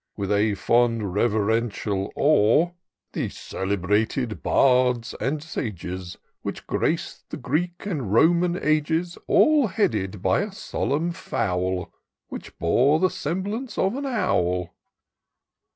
With a fond, reverential awe. The celebrated bards and sages Which grac'd the Greek and Roman ages, All headed by a solemn fowl. Which bore the 'semblance of an owl.